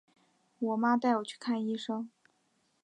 我妈带我去看医生